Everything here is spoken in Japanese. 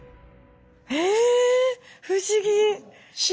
えぇ不思議！